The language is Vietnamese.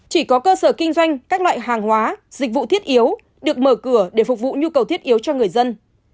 chỉ có cơ sở kinh doanh các loại hàng hóa dịch vụ thiết yếu được mở cửa để phục vụ nhu cầu thiết yếu cho người dân